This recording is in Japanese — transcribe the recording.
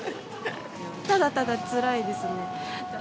ただただつらいですね、もう。